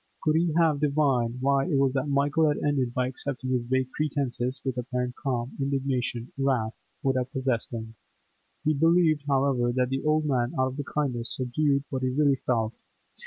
Could he have divined why it was that Michael had ended by accepting his vague pretences with apparent calm, indignation, wrath, would have possessed him; he believed, however, that the old man out of kindness subdued what he really felt.